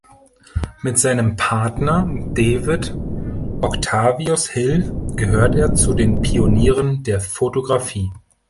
Mit seinem Partner David Octavius Hill gehört er zu den Pionieren der Fotografie.